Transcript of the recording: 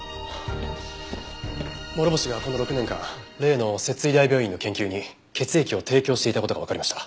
諸星がこの６年間例の摂津医大病院の研究に血液を提供していた事がわかりました。